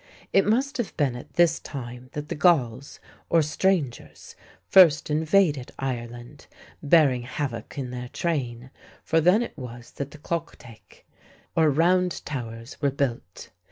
It must have been at this time that the Galls, or strangers, first invaded Ireland, bearing havoc in their train, for then it was that the cloicteach, or Round Towers, were built.